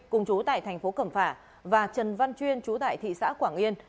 cùng trú tại thành phố cẩm phả và trần văn chuyên trú tại thị xã quảng yên